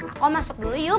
aku masuk dulu yuk